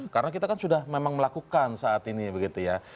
karena kita kan sudah memang melakukan saat ini begitu ya